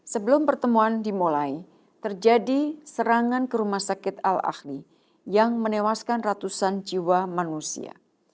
sebelum pertemuan dimulai terjadi serangan ke rumah sakit al ahli yang menewaskan ratusan jiwa manusia